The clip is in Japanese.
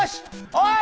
おい！